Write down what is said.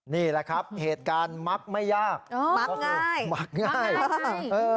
นี่แหละครับเหตุการณ์มักไม่ยากมักก็คือมักง่ายเออ